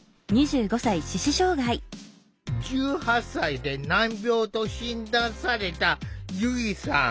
１８歳で難病と診断されたゆいさん。